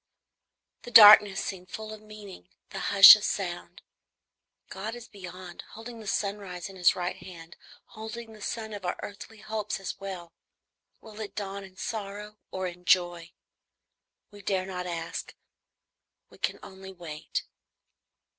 The darkness seems full of meaning; the hush, of sound. God is beyond, holding the sunrise in his right hand, holding the sun of our earthly hopes as well, will it dawn in sorrow or in joy? We dare not ask, we can only wait.